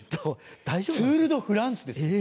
ツール・ド・フランスですよ。